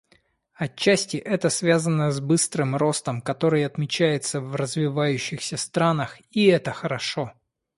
Отчасти это связано с быстрым ростом, который отмечается в развивающихся странах, и это хорошо.